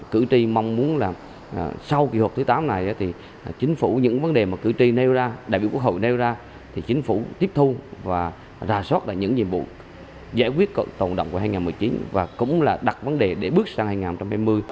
cử tri mong muốn là sau kỳ họp thứ tám này thì chính phủ những vấn đề mà cử tri nêu ra đại biểu quốc hội nêu ra thì chính phủ tiếp thu và rà soát lại những nhiệm vụ giải quyết tồn động của hai nghìn một mươi chín và cũng là đặt vấn đề để bước sang hai nghìn hai mươi